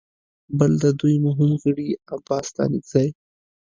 بل د دوی مهم غړي عباس ستانکزي